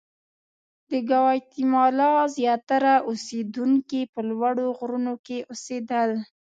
د ګواتیمالا زیاتره اوسېدونکي په لوړو غرونو کې اوسېدل.